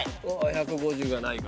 １５０がないか。